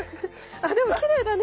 あっでもきれいだね。